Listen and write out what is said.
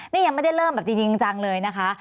นี่ยังไม่ได้เริ่มแบบจริงจังเลยนะคะ